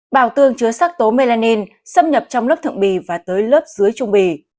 bào tương chứa sắc tố melanin xâm nhập trong lớp thượng bì và tới lớp dưới trung bì